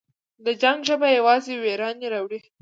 د جنګ ژبه یوازې ویرانی راوړي.